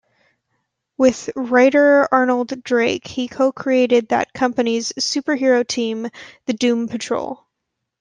With writer Arnold Drake, he co-created that company's superhero team the Doom Patrol.